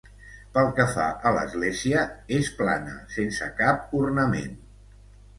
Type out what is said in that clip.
Pel que fa a l'església, és plana, sense cap ornament.